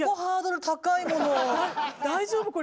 大丈夫？